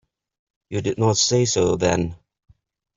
You did not say so then.